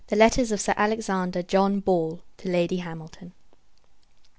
Letters FROM SIR ALEXANDER JOHN BALL TO LADY HAMILTON.